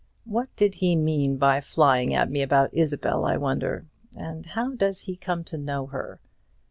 What did he mean by flying at me about Isabel, I wonder; and how does he come to know her?